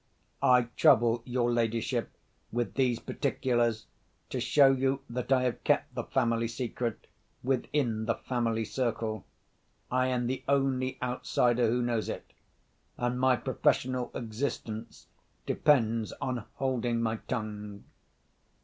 I trouble your ladyship with these particulars to show you that I have kept the family secret within the family circle. I am the only outsider who knows it—and my professional existence depends on holding my tongue."